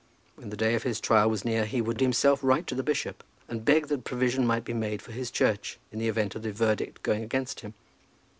When the day of his trial was near, he would himself write to the bishop, and beg that provision might be made for his church, in the event of the verdict going against him.